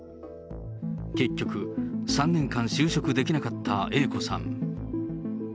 結局、３年間就職できなかったＡ子さん。